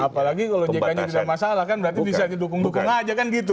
apalagi kalau jk juga ada masalah kan berarti bisa didukung dukungan aja kan gitu